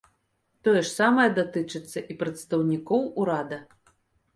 Тое ж самае датычыцца і прадстаўнікоў урада.